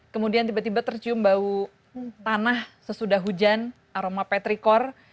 kemudian tiba tiba tercium bau tanah sesudah hujan aroma petrikor